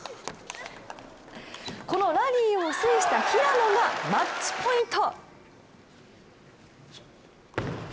このラリーを制した平野がマッチポイント。